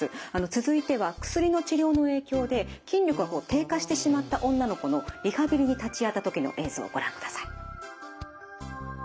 続いては薬の治療の影響で筋力が低下してしまった女の子のリハビリに立ち会った時の映像をご覧ください。